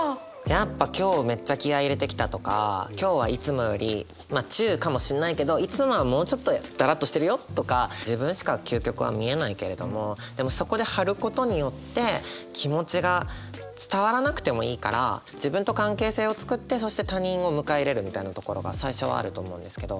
やっぱ今日めっちゃ気合い入れてきたとか今日はいつもよりまあ中かもしんないけどいつもはもうちょっとだらっとしてるよとか自分しか究極は見えないけれどもでもそこで張ることによって気持ちが伝わらなくてもいいから自分と関係性を作ってそして他人を迎え入れるみたいなところが最初はあると思うんですけど。